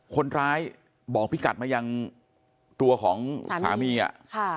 คนร้ายบอกพี่กัดมายังตัวของสามีอ่ะค่ะ